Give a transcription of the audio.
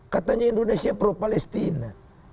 katanya indonesia pro palestina